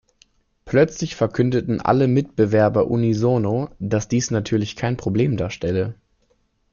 Plötzlich verkündeten alle Mitbewerber unisono, dass dies natürlich kein Problem darstelle.